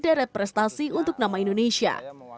dan juga menangkan prestasi untuk nama indonesia